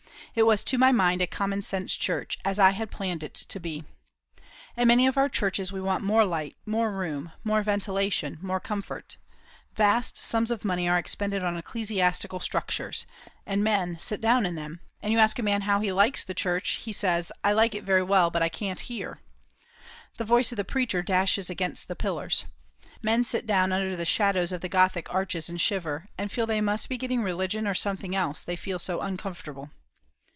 It was to my mind a common sense church, as I had planned it to be. In many of our churches we want more light, more room, more ventilation, more comfort. Vast sums of money are expended on ecclesiastical structures, and men sit down in them, and you ask a man how he likes the church: he says, "I like it very well, but I can't hear." The voice of the preacher dashes against the pillars. Men sit down under the shadows of the Gothic arches and shiver, and feel they must be getting religion, or something else, they feel so uncomfortable.